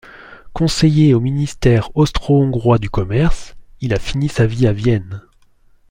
Conseiller au ministère austro-hongrois du Commerce, il a fini sa vie à Vienne.